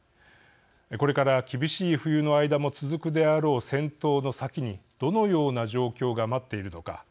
これから厳しい冬の間も続くであろう戦闘の先にどのような状況が待っているのか。